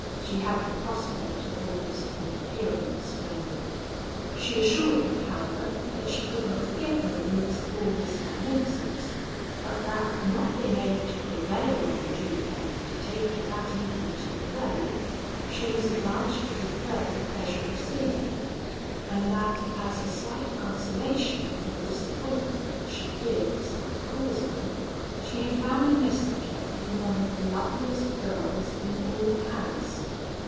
She had the prospect of almost imperial splendour. She assured me, however, that she could not forget me amidst all this magnificence; but that, not being able to prevail on G M to take her that evening to the play, she was obliged to defer the pleasure of seeing me; and that, as a slight consolation for the disappointment which she feared this might cause me, she had found a messenger in one of the loveliest girls in all Paris.